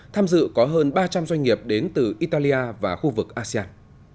tham dự có hơn ba trăm linh doanh nghiệp đến từ italia và khu vực asean